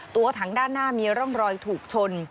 ตัวถังด้านหน้ามีร่องรอยถูกชน